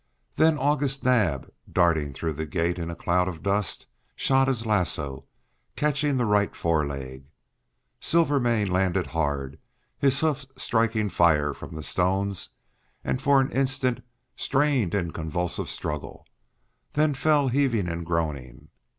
Then August Naab, darting through the gate in a cloud of dust, shot his lasso, catching the right foreleg. Silvermane landed hard, his hoofs striking fire from the stones; and for an instant strained in convulsive struggle; then fell heaving and groaning.